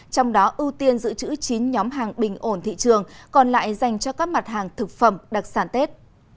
trong đó ưu tiên giữ chữ chín nhóm hàng bình ổn thị trường còn lại dành cho các mặt hàng thực phẩm đặc sản tết